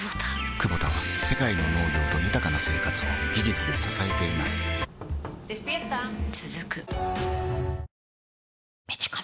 クボタは世界の農業と豊かな生活を技術で支えています起きて。